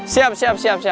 siap siap siap